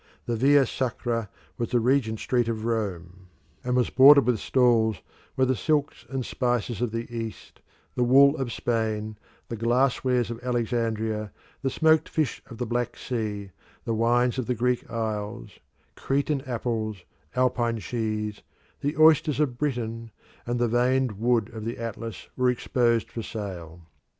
The Via Sacra was the Regent Street of Rome, and was bordered with stalls where the silks and spices of the East, the wool of Spain, the glass wares of Alexandria, the smoked fish of the Black Sea, the wines of the Greek isles, Cretan apples, Alpine cheese, the oysters of Britain, and the veined wood of the Atlas were exposed for sale.